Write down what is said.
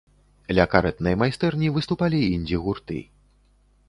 Ля карэтнай майстэрні выступалі індзі-гурты.